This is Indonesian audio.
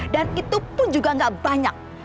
dan itu pun juga gak banyak